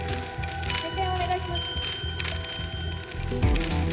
目線お願いします。